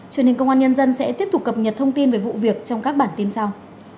truyền hình công an nhân dân sẽ tiếp tục cập nhật thông tin về vụ việc trong các bản tin sau